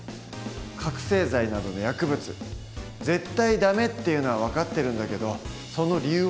覚醒剤などの薬物「絶対ダメ」っていうのは分かってるんだけどその理由は？